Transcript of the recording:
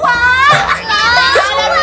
ya allah ya tuhan